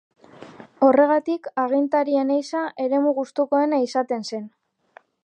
Horregatik agintarien ehiza eremu gustukoena izaten zen.